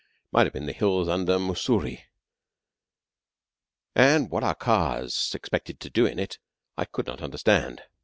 It might have been the hills under Mussoorie, and what our cars expected to do in it I could not understand.